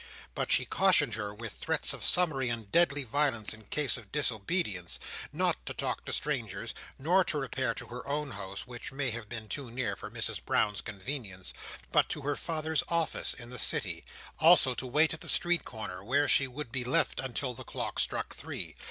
But she cautioned her, with threats of summary and deadly vengeance in case of disobedience, not to talk to strangers, nor to repair to her own home (which may have been too near for Mrs Brown's convenience), but to her father's office in the City; also to wait at the street corner where she would be left, until the clock struck three.